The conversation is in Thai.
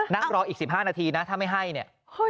นั่งรออีก๑๕นาทีนะถ้าไม่ให้เนี่ย